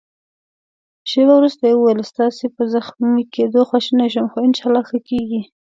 شېبه وروسته يې وویل: ستاسي په زخمي کېدو خواشینی شوم، خو انشاالله ښه کېږې.